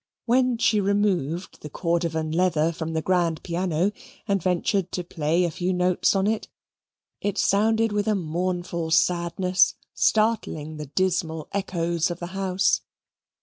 When she removed the cordovan leather from the grand piano and ventured to play a few notes on it, it sounded with a mournful sadness, startling the dismal echoes of the house.